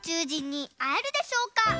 じんにあえるでしょうか？